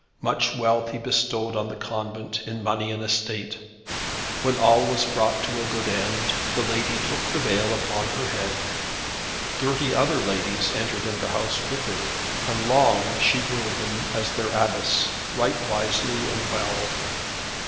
Much wealth he bestowed on the convent, in money and estate. When all was brought to a good end, the lady took the veil upon her head. Thirty other ladies entered in the house with her, and long she ruled them as their Abbess, right wisely and well.